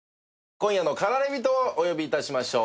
今夜の駆られ人をお呼び致しましょう。